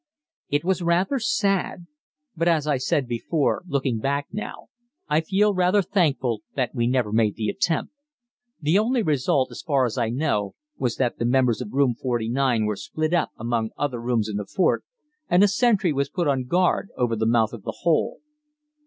It was rather sad; but, as I said before, looking back now, I feel rather thankful that we never made the attempt. The only result, as far as I know, was that the members of Room 49 were split up among other rooms in the fort, and a sentry was put on guard over the mouth of the hole.